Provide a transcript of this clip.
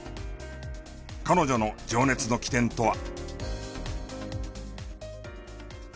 彼女の情熱の起点とは？